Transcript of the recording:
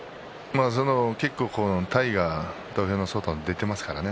結構、体が土俵の外に出ていますからね。